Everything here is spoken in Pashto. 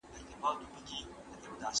نوښتګر خلک د ټولنې سرمایه ده.